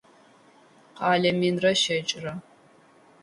Къэлэ минрэ щэкӏрэ.